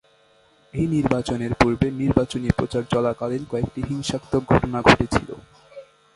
এই নির্বাচনের পূর্বে নির্বাচনী প্রচার চলাকালীন কয়েকটি হিংসাত্মক ঘটনা ঘটেছিল।